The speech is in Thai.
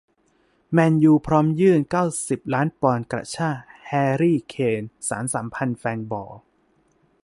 แมนยู พร้อมยื่น เก้าสิบ ล้านปอนด์ กระชาก แฮร์รี่ เคน สานสัมพันธ์แฟนบอล